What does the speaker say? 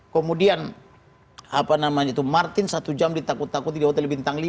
kemudian martin satu jam ditakut takut di hotel bintang lima